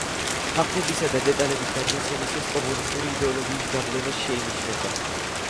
ფაქტებისა და დეტალების გადმოცემისას კომუნისტური იდეოლოგიის გავლენა შეინიშნება.